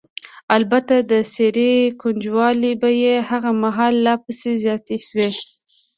البته د څېرې ګونجوالې به یې هغه مهال لا پسې زیاتې شوې.